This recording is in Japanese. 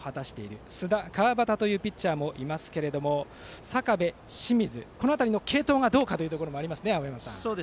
あとは須田、川端というピッチャーもいますが坂部、清水この辺りの継投がどうかというところもありますね。